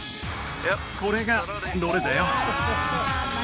これがロレだよ